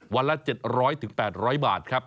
วันละ๗๐๐๘๐๐บาทครับ